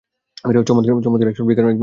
চমৎকার action figure, Eggman.